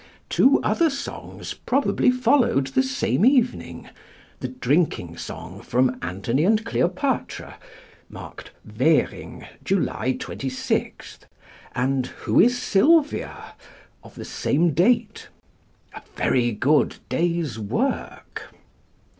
Two other songs probably followed the same evening: the drinking song from Antony and Cleopatra, marked "Währing, July 26," and Who is Sylvia? of the same date a very good day's work.